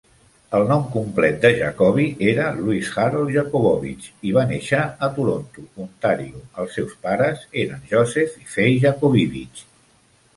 El nom complet de Jacobi era Louis Harold Jacobovitch i va néixer a Toronto, Ontario. Els seus pares eren Joseph i Fay Jacobivitch.